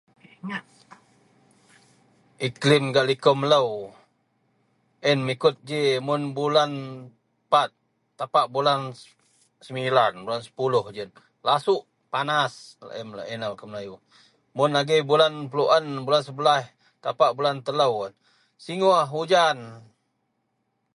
Iklim gak liko melo iyen mengikut ji mun bulan pat tapak bulan semilan sepuloh gejiyen lasouk panas laei a melayu mun bulan sebelas tapak bulan telo singouh hujan.